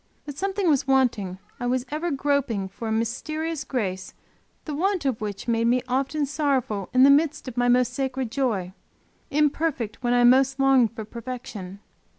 But something was wanting I was ever groping for a mysterious grace the want of which made me often sorrowful in the very midst of my most sacred joy, imperfect when I most longed for perfection.